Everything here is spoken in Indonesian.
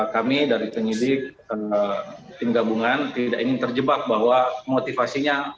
kami dari penyidik tim gabungan tidak ingin terjebak bahwa motivasinya